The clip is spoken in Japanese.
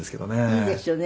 いいですよね。